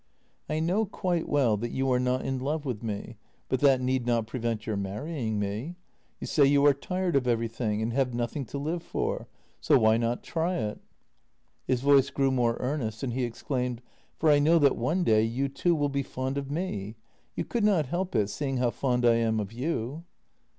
" I know quite well that you are not in love with me, but that need not prevent your marrying me. You say you are tired of everything, and have nothing to live for, so why not try it? " His voice grew more earnest, and he exclaimed: "For I know that one day you too will be fond of me! You could not help it, seeing how fond I am of you."